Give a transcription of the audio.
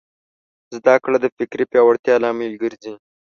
زدهکړه د فکري پیاوړتیا لامل ګرځي.